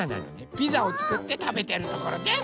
ピザをつくってたべてるところです！